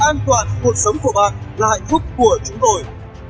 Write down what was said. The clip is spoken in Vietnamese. an toàn cuộc sống của bạn là hạnh phúc của chúng tôi